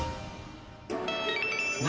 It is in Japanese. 何？